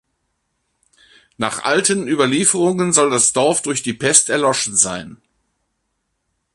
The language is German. Nach alten Überlieferungen soll das Dorf durch die Pest erloschen sein.